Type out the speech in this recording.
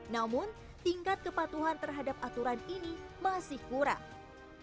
namun tingkat kepatuhan terhadap aturan ini masih kurang